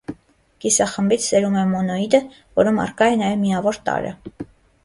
Կիսախմբից սերում է մոնոիդը, որում առկա է նաև միավոր տարրը։